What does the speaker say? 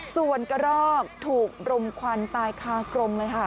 ส่วนกระรอกถูกรมควันตายคากรมเลยค่ะ